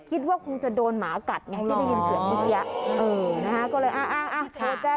คิดว่าคงจะโดนหมากัดนะ